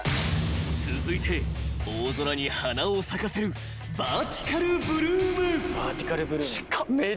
［続いて大空に花を咲かせるバーティカルブルーム］近っ。